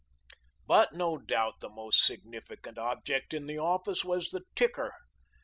But, no doubt, the most significant object in the office was the ticker.